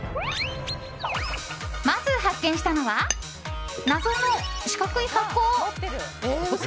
まず発見したのは謎の四角い箱。